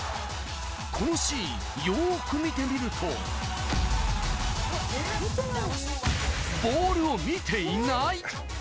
このシーン、よく見てみると、ボールを見ていない。